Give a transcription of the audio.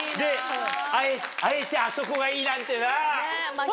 あえてあそこがいいなんてな。